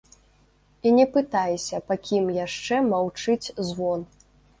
І не пытайся, па кім яшчэ маўчыць звон.